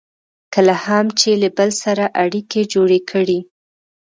کله هم چې له بل سره اړیکې جوړې کړئ.